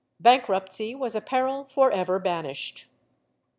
Bankruptcy was a peril forever banished.